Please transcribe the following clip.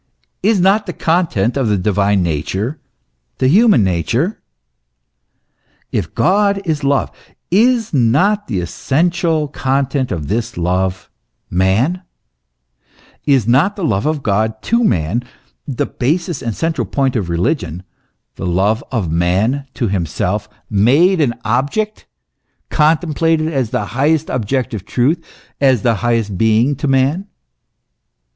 is not the con tent of the divine nature the human nature ? If God is love, is not the essential content of this love, man ? Is not the love of God to man the basis and central point of religion the love of man to himself made an object, contemplated as the highest objective truth, as the highest Being to man